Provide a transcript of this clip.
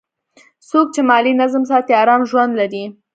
څوک چې مالي نظم ساتي، آرام ژوند لري.